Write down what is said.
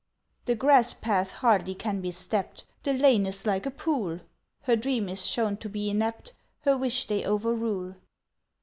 "The grass path hardly can be stepped, The lane is like a pool!"— Her dream is shown to be inept, Her wish they overrule.